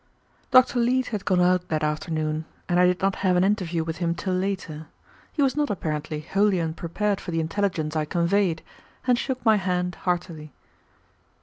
Dr. Leete had gone out that afternoon, and I did not have an interview with him till later. He was not, apparently, wholly unprepared for the intelligence I conveyed, and shook my hand heartily.